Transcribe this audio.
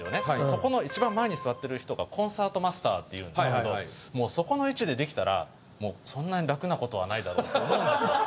そこの一番前に座ってる人がコンサートマスターっていうんですけどそこの位置でできたらそんなにラクな事はないだろうと思うんです。